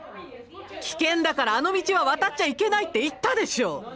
危険だからあの道は渡っちゃいけないって言ったでしょう！